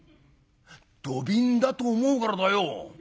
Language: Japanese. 「土瓶だと思うからだよ。